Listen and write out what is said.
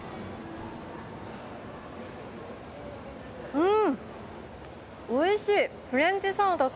うん！